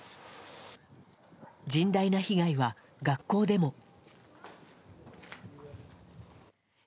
甚大な被害は学校でも。